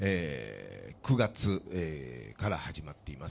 ９月から始まっています。